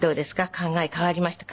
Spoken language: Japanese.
考え変わりましたか？」